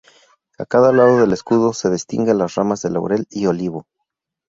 A cada lado del escudo se distingue las ramas de laurel y olivo.